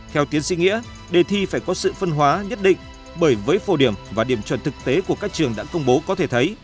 theo tiến sĩ nghĩa đề thi phải có sự phân hóa nhất định bởi với phổ điểm và điểm chuẩn thực tế của các trường đã công bố có thể thấy